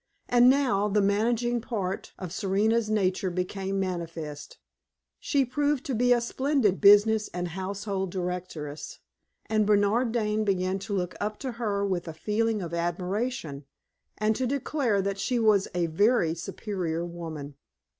And now the managing part of Serena's nature became manifest. She proved a splendid business and household directress, and Bernard Dane began to look up to her with a feeling of admiration, and to declare that she was a very superior woman.